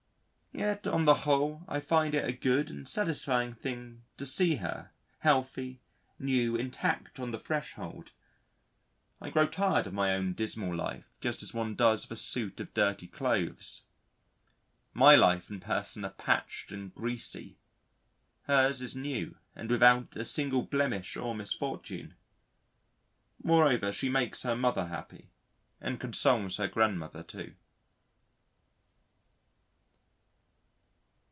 Yet, on the whole, I find it a good and satisfying thing to see her, healthy, new, intact on the threshold: I grow tired of my own dismal life just as one does of a suit of dirty clothes. My life and person are patched and greasy; hers is new and without a single blemish or misfortune.... Moreover, she makes her mother happy and consoles her grandmother too.